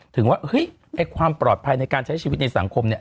ถึงว่าเฮ้ยไอ้ความปลอดภัยในการใช้ชีวิตในสังคมเนี่ย